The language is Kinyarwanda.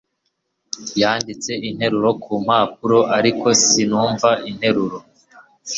yanditse interuro ku mpapuro, ariko sinumva interuro